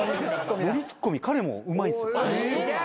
ノリツッコミ彼もうまいんですよ。